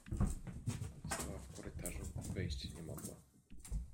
Stała w korytarzu i wejść nie mogła.